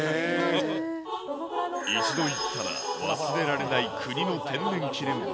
一度行ったら忘れられない国の天然記念物。